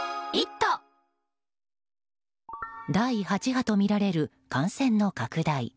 第８波とみられる感染の拡大。